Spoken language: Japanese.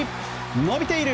伸びている！